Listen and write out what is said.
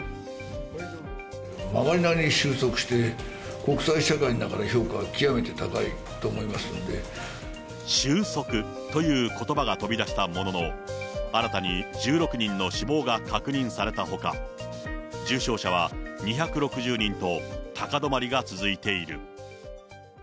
まがりなりにも収束して国際社会の中で評価は極めて高いと思収束ということばが飛び出したものの、新たに１６人の死亡が確認されたほか、重症者は２６０人と高止まりが続いている。